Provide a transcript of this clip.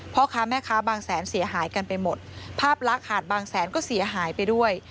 พ่อค้าแม่ค้าบางแสนเสียหายกันไปหมดภาพลักษณ์หาดบางแสนก็เสียหายไปด้วย